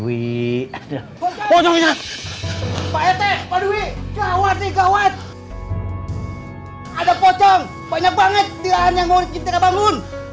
hai ada pocong banyak banget